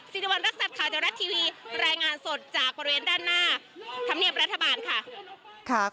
สิริวัณรักษัตริย์ข่าวเทวรัฐทีวีรายงานสดจากบริเวณด้านหน้าธรรมเนียบรัฐบาลค่ะ